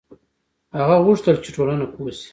هغه غوښتل چې ټولنه پوه شي.